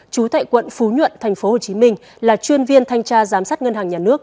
chú tại quận phú nhuận thành phố hồ chí minh là chuyên viên thanh tra giám sát ngân hàng nhà nước